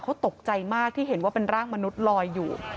เขาตกใจมากที่เห็นว่าเป็นร่างมนุษย์ลอยอยู่